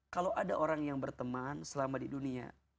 kalau ada orang yang berteman selama di dunia